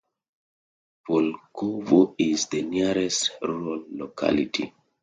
Volkovo is the nearest rural locality.